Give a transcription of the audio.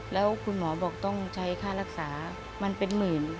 แล้วคุณหมอบอกต้องใช้ค่ารักษามันเป็นหมื่น